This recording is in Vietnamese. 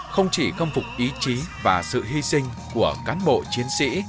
không chỉ công phục ý chí và sự hy sinh của cán bộ chiến sĩ